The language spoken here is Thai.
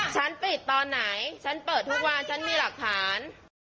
ฉันปิดตอนไหนฉันเปิดทุกวันฉันมีหลักฐาน